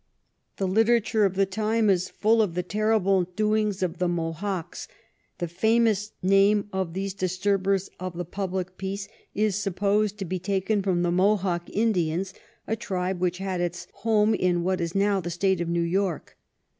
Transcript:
The literature of the time is full of the terrible doings of the Mohocks. The famous name of these disturbers of the public peace is supposed to be taken from the Mohawk Indians, a tribe which had its home in what is now tho State of New York.